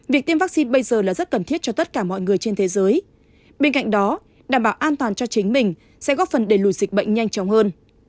việc tiêm vaccine bây giờ là rất cần thiết cho tất cả mọi người trên thế giới bên cạnh đó đảm bảo an toàn cho chính mình sẽ góp phần đẩy lùi dịch bệnh nhanh chóng hơn